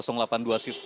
jadi pada saat ini